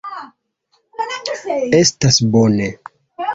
Estas bone.